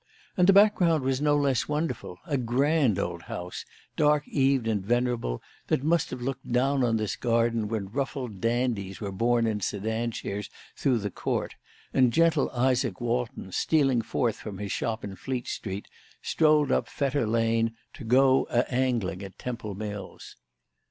And the background was no less wonderful: a grand old house, dark eaved and venerable, that must have looked down on this garden when ruffled dandies were borne in sedan chairs through the court, and gentle Izaak Walton, stealing forth from his shop in Fleet Street, strolled up Fetter Lane to "go a angling" at Temple Mills.